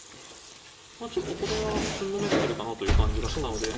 まあちょっとこれはつんのめってるかなという感じがしたんで。